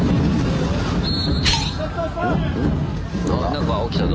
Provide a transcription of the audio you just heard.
何か起きたぞ。